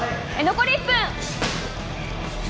残り１分。